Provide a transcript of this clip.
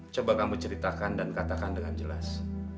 coba kamu ceritakan dan katakan dengan jelas